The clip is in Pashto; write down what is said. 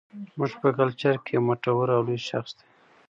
زموږ په کلچر کې يو مټور او لوى شخص دى